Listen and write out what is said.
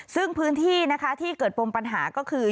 ซึ่งพื้นที่นะคะที่เกิดปมปัญหาก็คือ